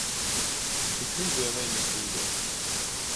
І крыўда яна і не крыўда.